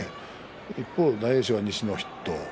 一方、大栄翔は西の筆頭。